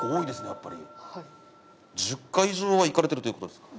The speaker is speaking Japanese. やっぱりはい１０回以上は行かれてるということですか？